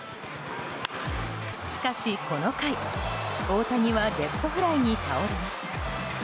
しかし、この回大谷はレフトフライに倒れます。